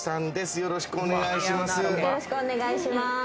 よろしくお願いします。